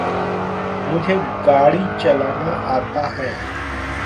मुझे गाड़ी चलाना आता है।